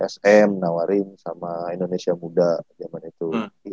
sm nawarin sama indonesia muda zaman itu